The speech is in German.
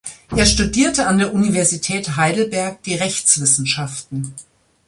Er studierte an der Universität Heidelberg die Rechtswissenschaften.